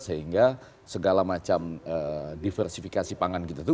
sehingga segala macam diversifikasi pangan kita itu